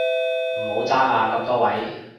唔好爭啊咁多位